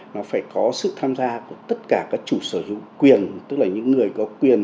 nó phải có sự tham gia của tất cả các chủ sở hữu quyền tức là những người có quyền